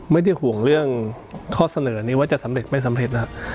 ไม่ได้ห่วงเรื่องข้อเสนอนี้ว่าจะสำเร็จไม่สำเร็จนะครับ